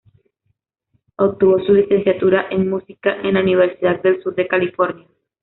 Obtuvo su licenciatura en Música en la Universidad del Sur de California.